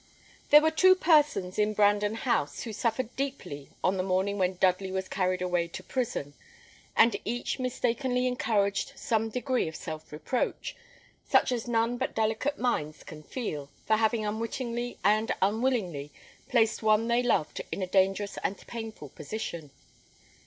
There were two persons in Brandon House who suffered deeply on the morning when Dudley was carried away to prison; and each mistakenly encouraged some degree of self reproach, such as none but delicate minds can feel, for having unwittingly and unwillingly placed one they loved in a dangerous and painful position.